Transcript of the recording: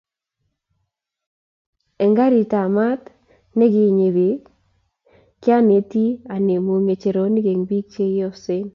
Eng karitab maat nikinyii biik, kyanaitei anemu ngecherunnyu eng biik cheyosen